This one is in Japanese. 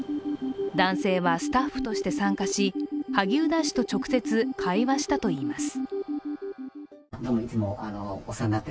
男性はスタッフとして参加し萩生田氏と直接、会話したといいます。